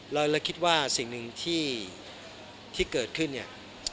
แล้วคิดว่าสิ่งที่เกิดขึ้นเนี่ย